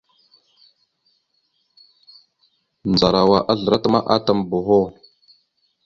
Ndzarawa azlərat ma atam boho.